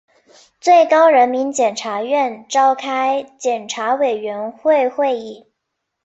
最高人民检察院召开检察委员会会议